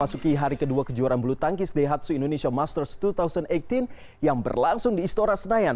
masuki hari kedua kejuaraan bulu tangkis daihatsu indonesia masters dua ribu delapan belas yang berlangsung di istora senayan